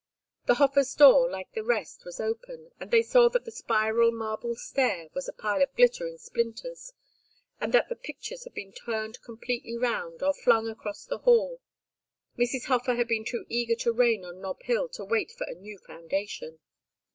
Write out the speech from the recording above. The Hofers' door, like the rest, was open, and they saw that the spiral marble stair was a pile of glittering splinters and that the pictures had been turned completely round or flung across the hall. Mrs. Hofer had been too eager to reign on Nob Hill to wait for a new foundation.